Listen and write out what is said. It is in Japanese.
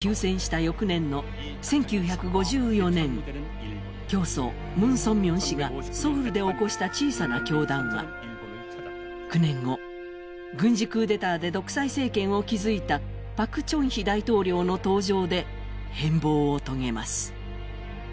朝鮮戦争が休戦した翌年の１９５４年、教祖・ムン・ソンミョン氏がソウルで起こした小さな教団が、９年後、軍事クーデターで独裁政権を築いたパク・チョンヒ大統領の登場で変貌を遂げます。